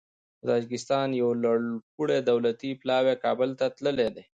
د تاجکستان یو لوړپوړی دولتي پلاوی کابل ته تللی دی.